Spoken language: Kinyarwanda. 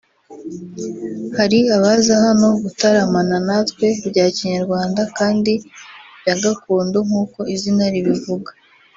hari abaza hano gutaramana natwe bya Kinyarwanda kandi bya gakondo nkuko izina ribivuga